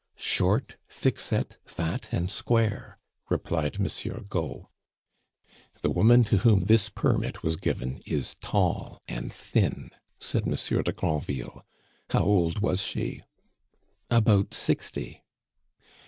"Short, thick set, fat, and square," replied Monsieur Gault. "The woman to whom this permit was given is tall and thin," said Monsieur de Granville. "How old was she?" "About sixty."